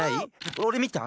おれみた！